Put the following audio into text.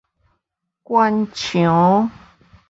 懸牆